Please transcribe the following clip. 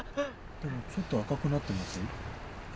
でもちょっと赤くなってますね。